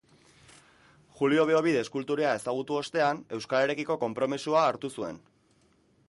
Julio Beobide eskultorea ezagutu ostean, euskararekiko konpromisoa hartu zuen.